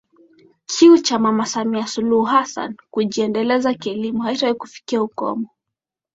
Kiu ya Mama Samia Suluhu Hassan kujiendeleza kielemu haijawahi kufikia ukomo